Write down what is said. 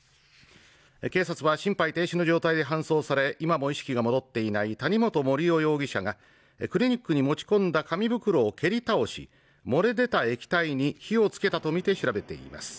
警察は心肺停止の状態で搬送され今も意識が戻っていない谷本盛雄容疑者がクリニックに持ち込んだ紙袋を蹴り倒し漏れ出た液体に火をつけたとみて調べています